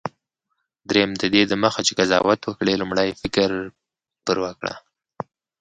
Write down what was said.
دریم: ددې دمخه چي قضاوت وکړې، لومړی فکر پر وکړه.